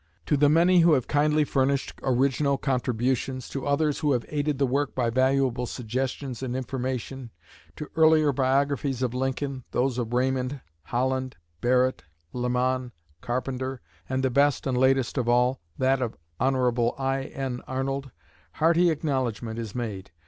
To the many who have kindly furnished original contributions, to others who have aided the work by valuable suggestions and information, to earlier biographies of Lincoln those of Raymond, Holland, Barrett, Lamon, Carpenter, and (the best and latest of all) that of Hon. I.N. Arnold hearty acknowledgment is made.